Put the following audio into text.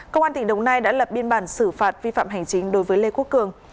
công an tỉnh đồng nai đã lập biên bản xử phạt vi phạm hành chính đối với lê quốc cường